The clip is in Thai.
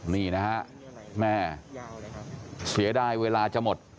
นี่นะฮะแม่เสียดายเวลาจะหมด